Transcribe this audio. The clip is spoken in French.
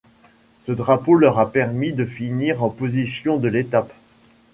Ce drapeau leur a permis de finir en position de l'étape.